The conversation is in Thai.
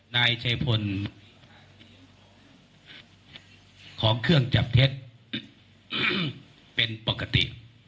นายชัยพลของเครื่องจับเท็จเป็นปกติ